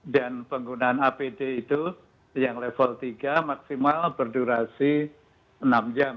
dan penggunaan apd itu yang level tiga maksimal berdurasi enam jam